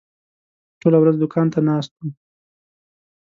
ټوله ورځ دوکان ته ناست وم.